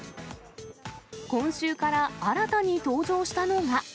今週から新たに登場したのが。